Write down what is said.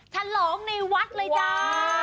ฉลองในวัดเลยจ้า